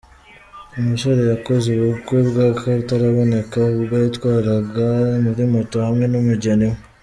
Umusore yakoze ubukwe bw’akataraboneka ubwo yatwarwaga kuri moto hamwe n’ umugeni we.